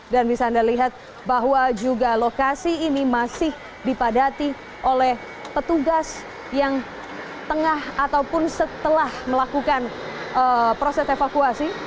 dan bisa anda lihat bahwa juga lokasi ini masih dipadati oleh petugas yang tengah ataupun setelah melakukan proses evakuasi